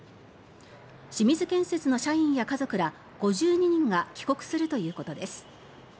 清水建設の社員や家族ら５２人が帰国するということです。